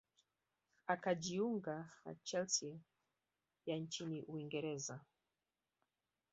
akajiunga na chelsea ya nchini uingereza